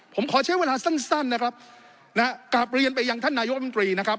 ผมขอใช้เวลาสั้นนะครับนะฮะกลับเรียนไปยังท่านนายกรรมตรีนะครับ